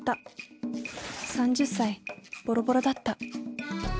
３０歳ボロボロだった。